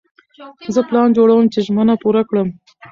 زه پلان جوړوم چې ژمنه پوره کړم.